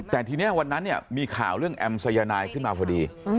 แต่ทีนี้วันนั้นเนี่ยมีข่าวเรื่องแอมสายนายขึ้นมาพอดี